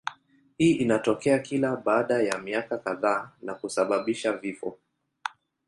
Hii inatokea kila baada ya miaka kadhaa na kusababisha vifo.